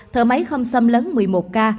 thở máy không xâm lấn một mươi một ca